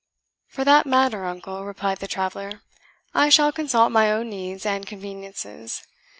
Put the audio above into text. "For that matter, uncle," replied the traveller, "I shall consult my own needs and conveniences.